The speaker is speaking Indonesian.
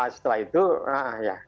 setelah itu ya